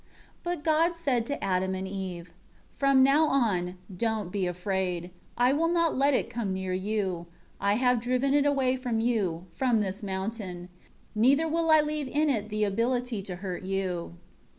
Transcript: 2 But God said to Adam and Eve, "From now on, don't be afraid, I will not let it come near you; I have driven it away from you, from this mountain; neither will I leave in it the ability to hurt you."